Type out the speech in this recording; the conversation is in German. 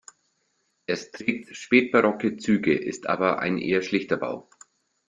Es trägt spätbarocke Züge, ist aber ein eher schlichter Bau.